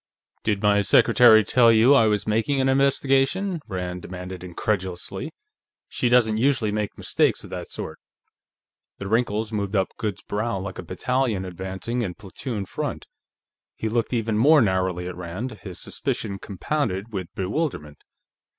"Did my secretary tell you I was making an investigation?" Rand demanded incredulously. "She doesn't usually make mistakes of that sort." The wrinkles moved up Goode's brow like a battalion advancing in platoon front. He looked even more narrowly at Rand, his suspicion compounded with bewilderment.